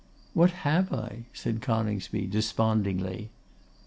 'What have I?' said Coningsby, despondingly.